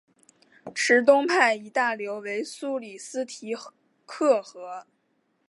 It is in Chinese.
池东派一大流为苏里斯提克河。